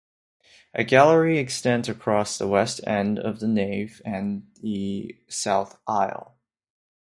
A gallery extends across the west end of the nave and the south aisle.